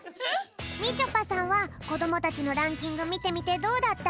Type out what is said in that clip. みちょぱさんはこどもたちのランキングみてみてどうだった？